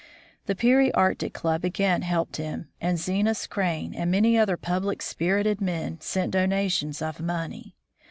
The Peary Arctic Club again helped him, and Zenas Crane and many other public spirited men sent donations of money.